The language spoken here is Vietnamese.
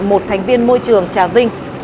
một thành viên môi trường trà vinh